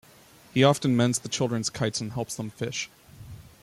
He often mends the children's kites and helps them fish.